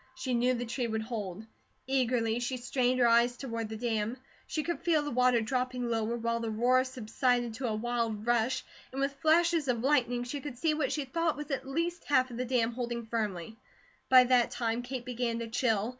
She knew the tree would hold. Eagerly she strained her eyes toward the dam. She could feel the water dropping lower, while the roar subsided to a wild rush, and with flashes of lightning she could see what she thought was at least half of the dam holding firm. By that time Kate began to chill.